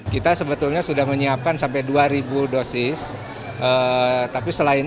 kita sebetulnya sudah menyiapkan sampai dua ribu dosis